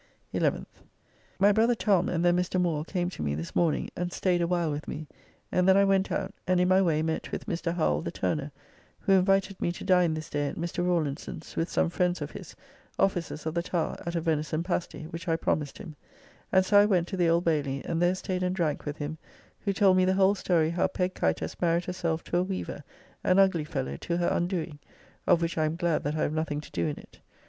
11th. My brother Tom and then Mr. Moore came to me this morning, and staid a while with me, and then I went out, and in my way met with Mr. Howell the Turner, who invited me to dine this day at Mr. Rawlinson's with some friends of his, officers of the Towre, at a venison pasty, which I promised him, and so I went to the Old Bayly, and there staid and drank with him, who told me the whole story how Pegg Kite has married herself to a weaver, an ugly fellow, to her undoing, of which I am glad that I have nothing to do in it.